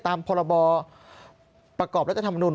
พรบประกอบรัฐธรรมนุน